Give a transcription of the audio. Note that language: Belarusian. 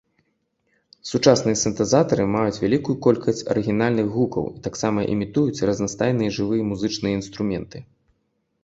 Сучасныя сінтэзатары маюць вялікую колькасць арыгінальных гукаў і таксама імітуюць разнастайныя жывыя музычныя інструменты.